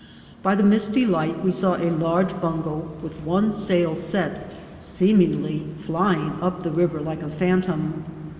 By the misty light we saw a large bungo, with one sail set, seemingly flying up the river like a phantom.